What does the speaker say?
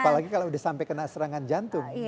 apalagi kalau sudah sampai kena serangan jantung